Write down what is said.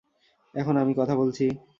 এখন আমি কথা বলছি।